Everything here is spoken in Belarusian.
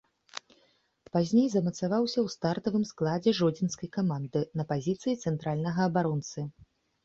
Пазней замацаваўся ў стартавым складзе жодзінскай каманды на пазіцыі цэнтральнага абаронцы.